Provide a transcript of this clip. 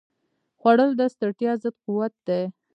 خوړل د ستړیا ضد قوت دی